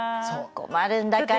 困るんだから。